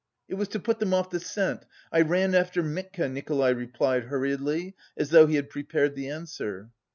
"It was to put them off the scent... I ran after Mitka," Nikolay replied hurriedly, as though he had prepared the answer.